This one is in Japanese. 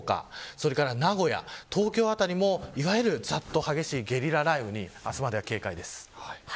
それから名古屋、東京辺りもいわゆる、ざっと激しいゲリラ雷雨に明日まで警戒です。